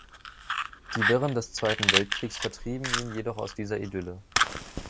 Die Wirren des Zweiten Weltkriegs vertrieben ihn jedoch aus dieser Idylle.